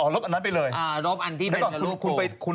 อ๋อลบอันนั้นไปเลยอ่าลบอันที่เป็นรูปปู